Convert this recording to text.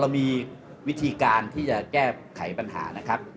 มีวิธีการที่จะแก้ไขปัญหานะครับ